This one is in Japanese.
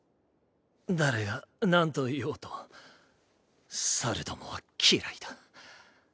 誰がなんと言おうと猿どもは嫌いだ。